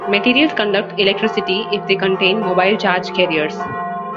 Materials conduct electricity if they contain mobile charge carriers.